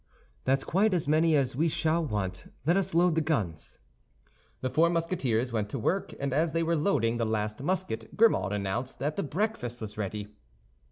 "That's quite as many as we shall want. Let us load the guns." The four Musketeers went to work; and as they were loading the last musket Grimaud announced that the breakfast was ready.